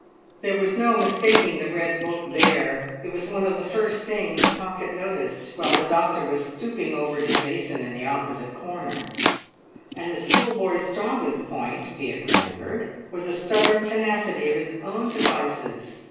There was no mistaking the red book there; it was one of the first things Pocket noticed, while the doctor was stooping over his basin in the opposite corner; and the schoolboy's strongest point, be it remembered, was a stubborn tenacity of his own devices.